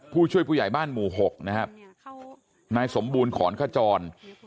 ผู้ช่วยผู้ใหญ่บ้านหมู่๖นะครับนายสมบูรณ์ขอนขจร